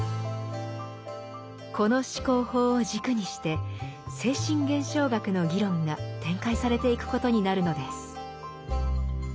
この思考法を軸にして「精神現象学」の議論が展開されていくことになるのです。